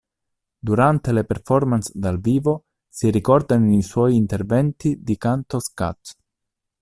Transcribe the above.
Durante le performance dal vivo si ricordano i suoi interventi di canto scat.